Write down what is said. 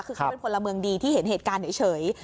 คือเขาเป็นพลเมืองดีที่เห็นเหตุการณ์เฉย